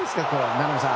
名波さん。